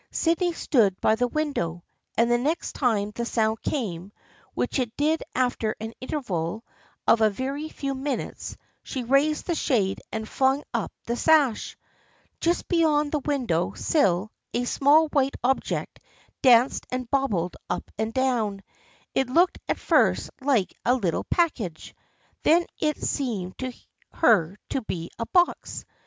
Sydney stood by the window, and the next time the sound came, which it did after an interval of a very few minutes, she raised the shade and flung up the sash. Just beyond the window sill a small white object danced and bobbed up and down. It looked at first like a little package. Then it seemed to her to be a box.